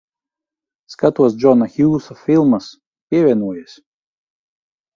Skatos Džona Hjūsa filmas. Pievienojies.